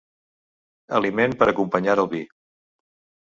Aliment per acompanyar el vi.